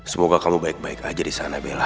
semoga kamu baik baik aja di sana bella